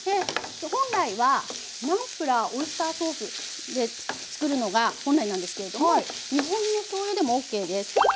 本来はナンプラーオイスターソースで作るのが本来なんですけれども日本のしょうゆでもＯＫです。